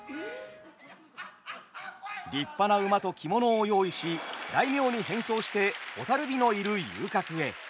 立派な馬と着物を用意し大名に変装して蛍火のいる遊郭へ。